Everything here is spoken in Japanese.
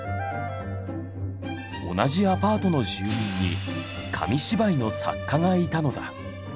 同じアパートの住人に紙芝居の作家がいたのだ。